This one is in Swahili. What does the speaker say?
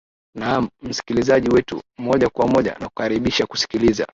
naam msikilizaji wetu moja kwa moja nakukaribisha kusikiliza